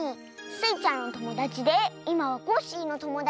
スイちゃんのともだちでいまはコッシーのともだちでもあります。